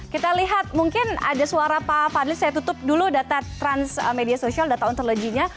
kita lihat mungkin ada suara pak fadli saya tutup dulu data transmedia social data ontologinya